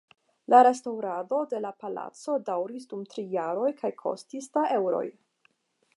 La restaŭrado de la palaco daŭris dum tri jaroj kaj kostis da eŭroj.